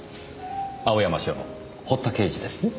青山署の堀田刑事ですね。